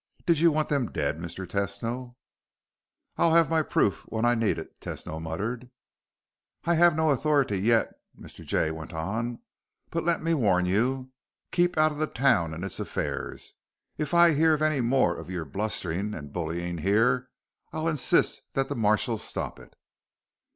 Did you want them dead, Mr. Tesno?" "I'll have my proof when I need it," Tesno muttered. "I have no authority yet," Mr. Jay went on. "But let me warn you. Keep out of the town and its affairs. If I hear of any more of your blustering and bullying here, I'll insist that the marshal stop it."